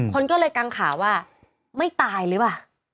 คนก็เลยกังขาว่าไม่ตายเลยว่ะ